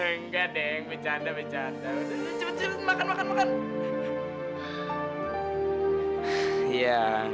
enggak deng bercanda bercanda udah cepet cepet makan makan makan